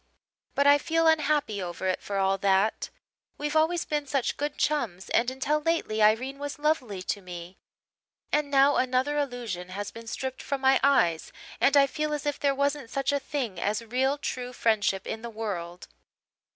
But I feel unhappy over it for all that. We've always been such good chums and until lately Irene was lovely to me; and now another illusion has been stripped from my eyes and I feel as if there wasn't such a thing as real true friendship in the world.